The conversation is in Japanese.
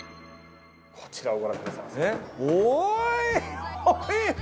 こちらをご覧くださいませ。